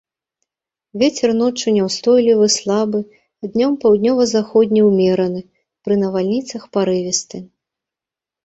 Вецер ноччу няўстойлівы слабы, днём паўднёва-заходні ўмераны, пры навальніцах парывісты.